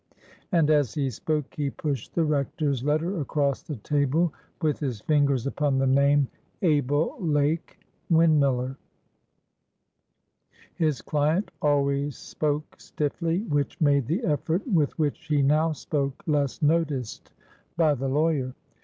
And, as he spoke, he pushed the Rector's letter across the table, with his fingers upon the name Abel Lake, windmiller. His client always spoke stiffly, which made the effort with which he now spoke less noticed by the lawyer.